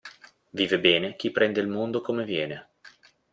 Vive bene chi prende il mondo come viene.